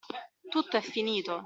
Tutto è finito!